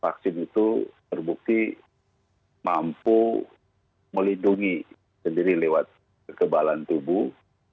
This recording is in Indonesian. vaksin itu terbukti mampu melindungi sendiri lewat kekebalan tubuh